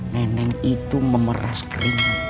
nenek itu memeras kering